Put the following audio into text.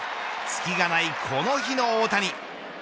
ツキがないこの日の大谷。